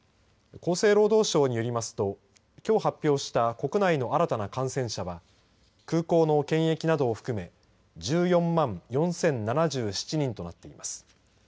厚生労働省によりますときょう発表した国内の新たな感染者は空港の検疫などを含め１４万４０７７人となっています。